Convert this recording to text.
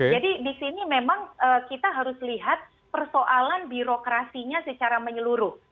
jadi di sini memang kita harus lihat persoalan birokrasinya secara menyeluruh